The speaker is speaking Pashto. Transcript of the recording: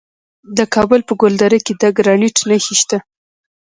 د کابل په ګلدره کې د ګرانیټ نښې شته.